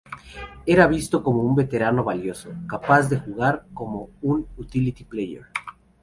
Era visto como un veterano valioso, capaz de jugar como un utility player.